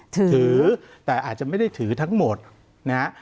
ถือแต่อาจจะไม่ได้ถือทั้งหมดนะฮะ